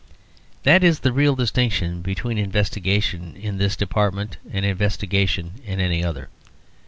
That is the real distinction between investigation in this department and investigation in any other.